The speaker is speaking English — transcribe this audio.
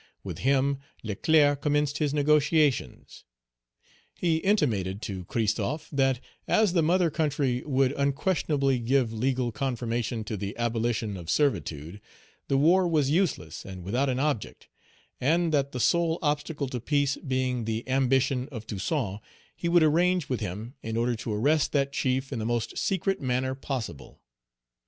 With him, Leclerc commenced his negotiations; he intimated to Christophe that as the mother country would unquestionably give legal confirmation to the abolition of servitude, the war was useless and without an object, and that the sole obstacle to peace being the ambition Page 207 of Toussaint, he would arrange with him in order to arrest that chief in the most secret manner possible.